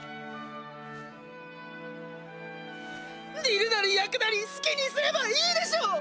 にるなりやくなりすきにすればいいでしょう！